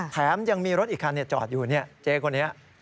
แถมยังมีรถอีกคันจอดอยู่เจ๊คนนี้